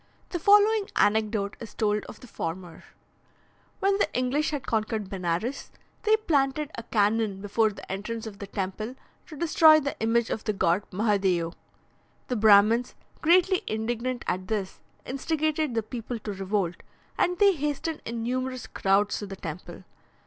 The following anecdote is told of the former: When the English had conquered Benares, they planted a cannon before the entrance of the temple to destroy the image of the god Mahadeo. The Brahmins, greatly indignant at this, instigated the people to revolt, and they hastened in numerous crowds to the temple.